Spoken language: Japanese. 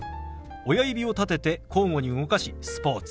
親指を立てて交互に動かし「スポーツ」。